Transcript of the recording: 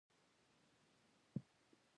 ځینې شرکتونه حتی له ډیوالي کېدو سره مخامخېږي.